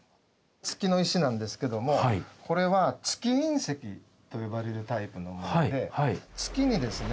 月の石なんですけどもこれは月隕石と呼ばれるタイプのもので月にですね